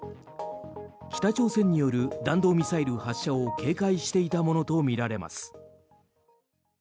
北朝鮮による弾道ミサイル発射を警戒していたものとみられます。